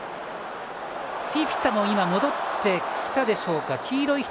フィフィタは戻ってきたでしょうか。